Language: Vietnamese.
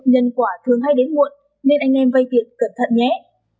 nhân quả thường hay đến muộn nên anh em vay tiền cẩn thận nhé